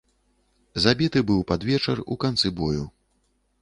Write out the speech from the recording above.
Забіты быў пад вечар, у канцы бою.